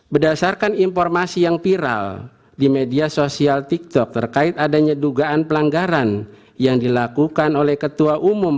tujuh berita terkini mengenai penyelidikan pidio dan seterusnya tahun dua ribu dua puluh empat dalam pidato yang menyatakan silaturahmi nasional desa dan bansos sudah di keterangan satu